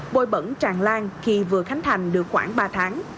bôi bẩn tràn lan khi vừa khánh thành được khoảng ba tháng